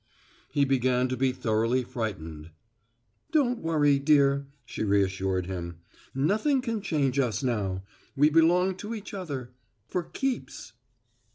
He began to be thoroughly frightened. "Don't worry, dear," she reassured him. "Nothing can change us now. We belong to each other for keeps."